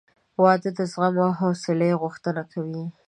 • واده د زغم او حوصلې غوښتنه کوي.